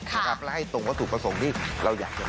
แล้วให้ตรงวัตถุประสงค์ที่เราอยากจะ